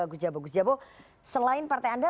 gus jabo gus jabo selain partai anda